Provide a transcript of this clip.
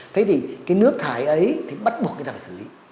thế thì cái nước thải ấy thì bắt buộc người ta phải xử lý